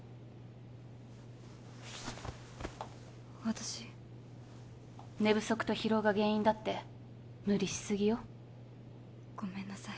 私寝不足と疲労が原因だって無理しすぎよごめんなさい